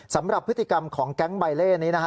สำหรับพฤติกรรมของแก๊งใบเล่นี้นะฮะ